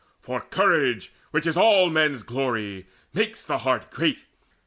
For courage, which is all men's glory, makes The heart great.